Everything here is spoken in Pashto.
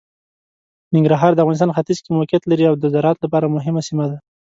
ننګرهار د افغانستان ختیځ کې موقعیت لري او د زراعت لپاره مهمه سیمه ده.